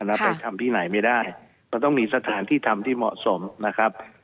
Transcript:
แล้วไปทำที่ไหนไม่ได้มันต้องมีสถานที่ทำที่เหมาะสมนะครับ